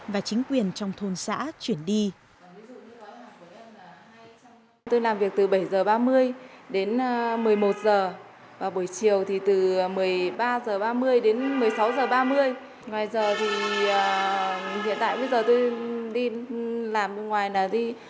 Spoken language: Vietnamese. và chính quyền trong thôn xã chuyển đi